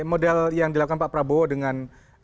model yang dilakukan pak prabowo dengan